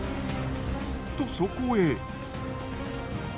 とそこへ。